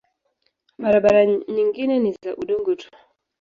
Barabara nyingine ni za udongo tu.